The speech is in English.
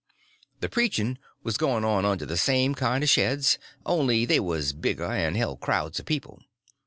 The preaching was going on under the same kinds of sheds, only they was bigger and held crowds of people.